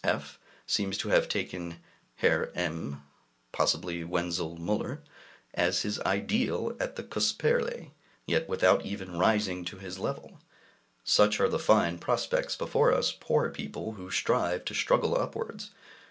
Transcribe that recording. F seems to have taken Herr M (Wenzel Müller?) as his ideal at the Kusperle, yet without even rising to his level. Such are the fine prospects before us poor people who strive to struggle upwards!